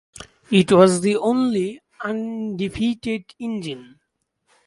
It was the only undefeated engine.